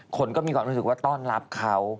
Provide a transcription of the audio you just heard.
คนก็มีความรู้สึกว่าต้อนรับเขา